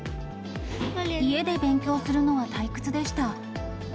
家で勉強するのは退屈でした。